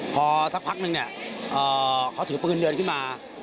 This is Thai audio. พอสักพักนึงเนี่ยเขาถือปืนเดินขึ้นมา